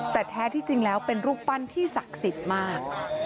แต่แท้ที่จริงแล้วเป็นรูปปั้นที่ศักดิ์สิทธิ์มาก